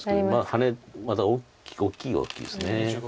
ハネ大きいは大きいです。